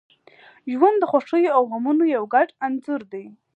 • ژوند د خوښیو او غمونو یو ګډ انځور دی.